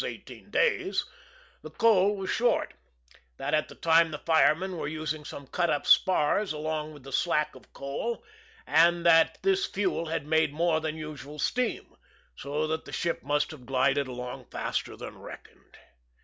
eighteen days, the coal was short; that at the time the firemen were using some cut up spars along with the slack of coal, and that this fuel had made more than usual steam, so that the ship must have glided along faster than reckoned.